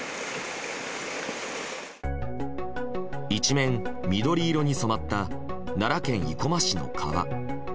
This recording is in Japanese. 一面緑色に染まった奈良県生駒市の川。